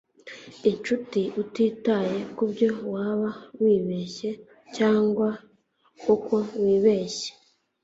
inshuti, utitaye kubyo waba wibeshye cyangwa uko wibeshye